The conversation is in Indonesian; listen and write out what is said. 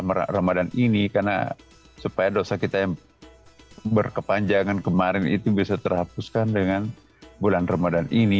ramadhan ini karena supaya dosa kita yang berkepanjangan kemarin itu bisa terhapuskan dengan bulan ramadan ini